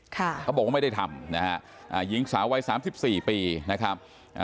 เขาบอกว่าไม่ได้ทำนะฮะหญิงสาววัย๓๔ปีนะครับ